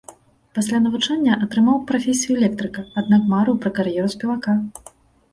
Пасля навучання атрымаў прафесію электрыка, аднак марыў пра кар'еру спевака.